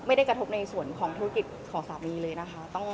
ไม่ได้กระทบในส่วนของธุรกิจของสามีเลยนะคะ